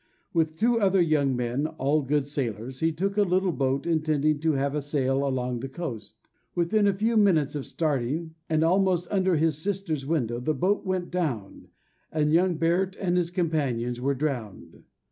With two other young men, all good sailors, he took a little boat, intending to have a sail along the coast. Within a few minutes of starting, and almost under his sister's window, the boat went down, and young Barrett and his companions were drowned.